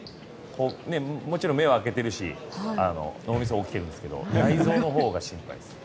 もちろん、目は明けているし脳みそは起きてるんですけど内臓のほうが心配です。